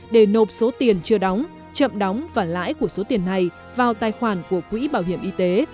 để nộp số tiền chưa đóng chậm đóng và lãi của số tiền này vào tài khoản của quỹ bảo hiểm y tế